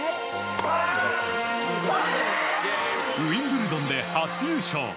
ウィンブルドンで初優勝。